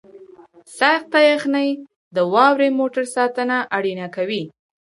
سخته یخنۍ د واورې موټر ساتنه اړینه کوي